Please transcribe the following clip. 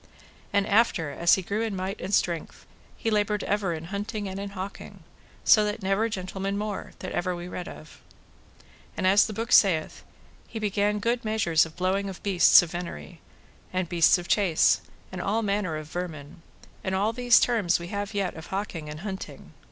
And after, as he grew in might and strength, he laboured ever in hunting and in hawking, so that never gentleman more, that ever we heard read of. And as the book saith, he began good measures of blowing of beasts of venery, and beasts of chase, and all manner of vermin, and all these terms we have yet of hawking and hunting.